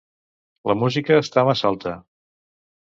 La música està massa alta.